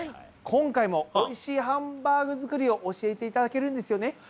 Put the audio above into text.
今回もおいしいハンバーグ作りを教えていただけるんですよね？